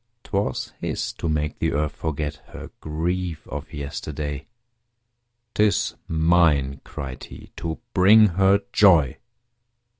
'Twas his to make the Earth forget Her grief of yesterday. "'Tis mine," cried he, "to bring her joy!"